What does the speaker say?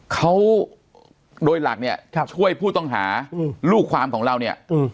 เขาโดยหลักเนี่ยช่วยผู้ต้องหาลูกความของเราเนี่ย